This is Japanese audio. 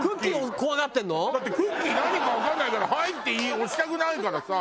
だってＣｏｏｋｉｅ何かわからないから「はい」って押したくないからさ。